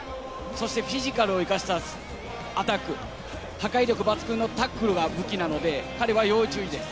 フィジカルを生かしたアタック、破壊力抜群のタックルが武器なので、彼は要注意です。